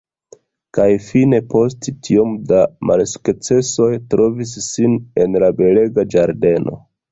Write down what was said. Kaj fine —post tiom da malsukcesoj—trovis sin en la belega ĝardeno.